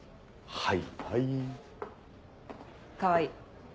はい。